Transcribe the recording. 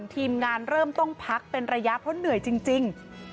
ทีมงานเริ่มต้องพักเป็นระยะเพราะเหนื่อยจริง